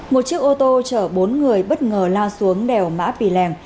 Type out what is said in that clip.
một chiếc ô tô chở bốn người bất ngờ lao xuống đèo mã pì lèng